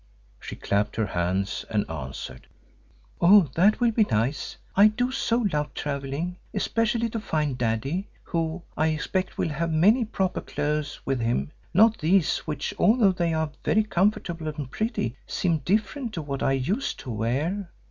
She clapped her hands and answered, "Oh, that will be nice, I do so love travelling, especially to find Daddy, who I expect will have my proper clothes with him, not these which, although they are very comfortable and pretty, seem different to what I used to wear.